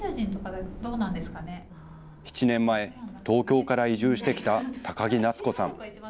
７年前、東京から移住してきた高木奈津子さん。